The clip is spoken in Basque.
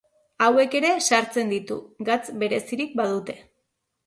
Hauek ere sartzen ditu, gatz berezirik badute.